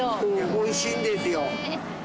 おいしいんですよ。